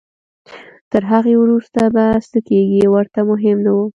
تر هغې وروسته به څه کېږي ورته مهم نه وو.